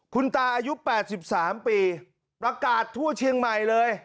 คุณตาอายุ๘๓ปีประกาศทั่วเชียงใหม่เลย